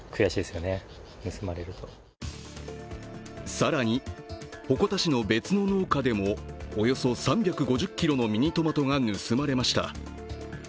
更に、鉾田市の別の農家でもおよそ３５０ｋｇのミニトマトが盗まれました。